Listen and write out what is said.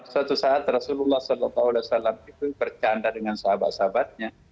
suatu saat rasulullah saw itu bercanda dengan sahabat sahabatnya